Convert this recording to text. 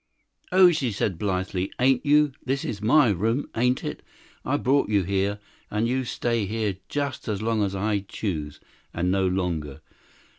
"Oh," she said, blithely, "ain't you? This is my room, ain't it? I brought you here, and you stay here just as long as I choose, and no longer.